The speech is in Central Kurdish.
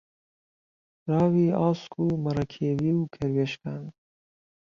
راوی ئاسک و مهڕهکێوی و کهروێشکان